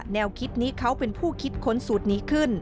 แนวคิดนี้เขาเป็นผู้คิดค้นสูตรนี้ขึ้น